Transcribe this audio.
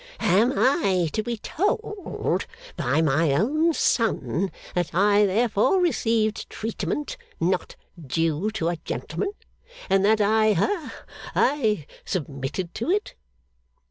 Am I to be told by my own son, that I therefore received treatment not due to a gentleman, and that I ha I submitted to it?